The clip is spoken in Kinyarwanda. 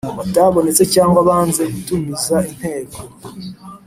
Batabonetse cyangwa banze gutumiza inteko